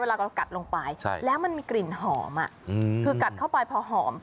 เรากัดลงไปแล้วมันมีกลิ่นหอมคือกัดเข้าไปพอหอม